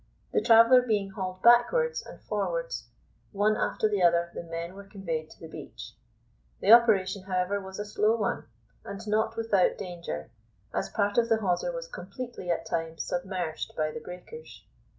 The traveller being hauled backwards and forwards, one after the other the men were conveyed to the beach. The operation, however, was a slow one, and not without danger, as part of the hawser was completely at times submerged by the breakers.